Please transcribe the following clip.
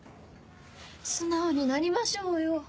素直になりましょうよ。